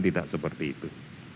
tidak seperti itu